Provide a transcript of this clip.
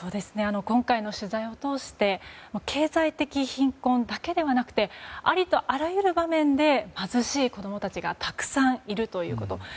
今回の取材を通して経済的貧困だけではなくてありとあらゆる場面で貧しい子供たちがたくさんいるということ。